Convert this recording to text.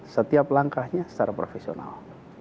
setiap langkahnya secara profesional